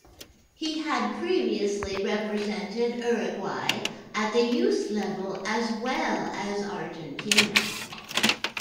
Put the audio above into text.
He had previously represented Uruguay at the youth level as well as Argentina.